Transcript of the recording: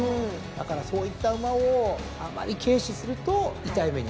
だからそういった馬をあんまり軽視すると痛い目に遭う。